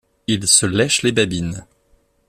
il se lêche les babines